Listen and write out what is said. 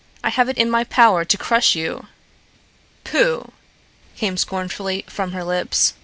"I have it in my power to crush you." "Pooh!" came scornfully from her lips.